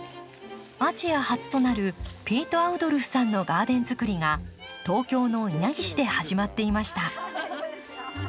アジア初となるピート・アウドルフさんのガーデンづくりが東京の稲城市で始まっていました。